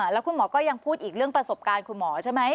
แล้วคุณหมอก็ยังพูดอีกเรื่องประสบการณ์คุณหมอใช่ไหม